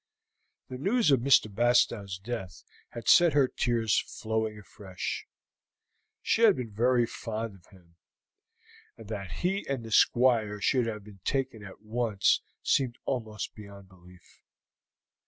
The news of Mr. Bastow's death had set her tears flowing afresh; she had been very fond of him, and that he and the Squire should have been taken at once seemed almost beyond belief.